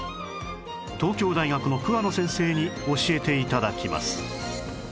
東京大学の桑野先生に教えて頂きます